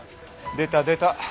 出た出た。